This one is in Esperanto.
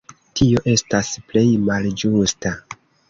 Tio estas plej malĝusta.